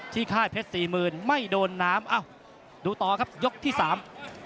ค่ายเพชรสี่หมื่นไม่โดนน้ำอ้าวดูต่อครับยกที่สาม